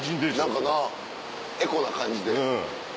何かなエコな感じで。